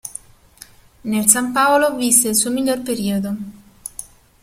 Nel San Paolo visse il suo miglior periodo.